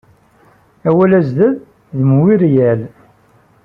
Awal azzdad d: Muiriel.